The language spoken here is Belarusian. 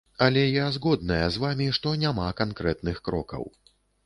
Але я згодная з вамі, што няма канкрэтных крокаў.